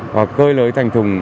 hoặc cơ lưới thành thùng